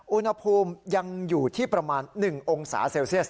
อุณหภูมิยังอยู่ที่ประมาณ๑องศาเซลเซียส